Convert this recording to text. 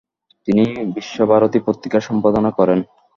তিনি বিশ্বভারতী পত্রিকার সম্পাদনা করেন।